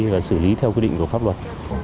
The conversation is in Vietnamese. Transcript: và xử lý theo quy định của pháp luật